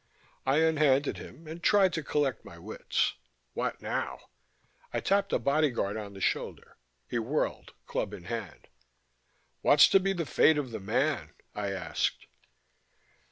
I unhanded him and tried to collect my wits. What now? I tapped a bodyguard on the shoulder. He whirled, club in hand. "What's to be the fate of the man?" I asked.